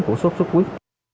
của sốt xuất huyết